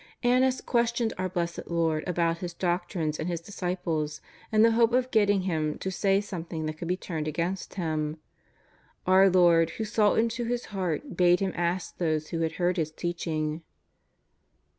Annas questioned our Blessed Lord about His doc trines and His disciples, in the hope of getting Him to say something that could be turned against Him. Our Lord who saw into his heart bade him ask those who had heard His teaching.